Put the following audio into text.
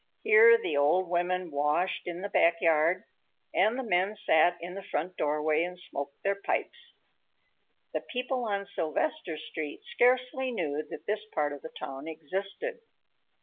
Here the old women washed in the back yard, and the men sat in the front doorway and smoked their pipes. The people on Sylvester Street scarcely knew that this part of the town existed.